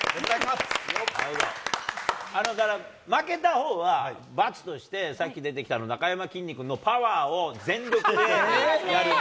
だから、負けたほうが罰として、さっき出てきたなかやまきんに君のパワーを全力でやる。